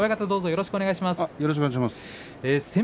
よろしくお願いします。